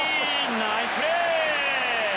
ナイスプレー！